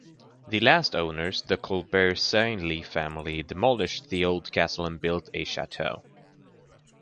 The last owners, the Colbert-Seignelay family, demolished the old castle and built a chateau.